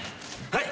はい。